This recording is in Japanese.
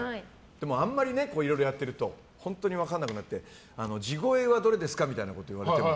でも、あんまりいろいろやってると本当に分からなくなって地声はどれですかみたいに言われても。